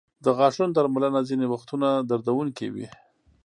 د غاښونو درملنه ځینې وختونه دردونکې وي.